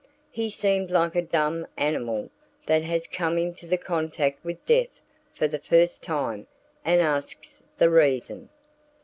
He seemed like a dumb animal that has come into contact with death for the first time and asks the reason.